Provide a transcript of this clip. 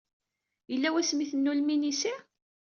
Yella wasmi ay tennulem inisi?